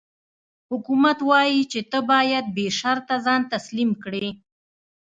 حکومت وايي چې ته باید بې شرطه ځان تسلیم کړې.